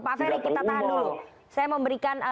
pak ferry kita tahan dulu saya memberikan